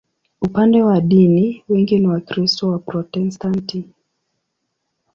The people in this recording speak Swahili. Upande wa dini, wengi ni Wakristo Waprotestanti.